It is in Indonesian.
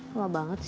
gila banget sih